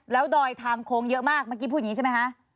แล้วดอยทางโค้งเยอะมากเมื่อกี้พูดอย่างนี้ใช่ไหมคะ